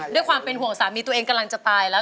ด้วยความเป็นห่วงสามีตัวเองกำลังจะตายแล้ว